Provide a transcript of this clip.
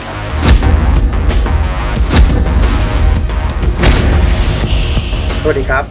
สวัสดีครับ